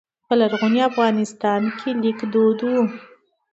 په لرغوني افغانستان کې لیک دود و